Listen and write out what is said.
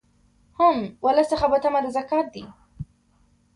هم ولس څخه په طمع د زکات دي